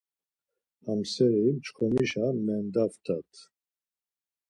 Hamseri çxomişa mendaptat.